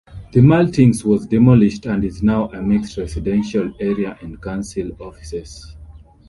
The Maltings was demolished and is now a mixed residential area and council offices.